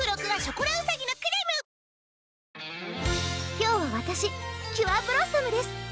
今日はわたしキュアブロッサムです！